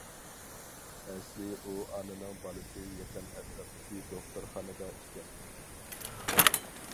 ئەسلى ئۇ ئانىنىڭ بالىسى يېقىن ئەتراپتىكى دوختۇرخانىدا ئىكەن.